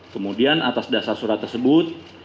kemudian atas dasar surat tersebut